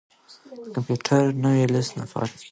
که کمپیوټر وي نو لوست نه پاتې کیږي.